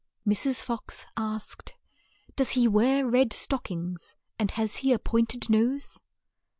Mrs. Fox asked "Does he wear red stock ings, and has he a point ed nose?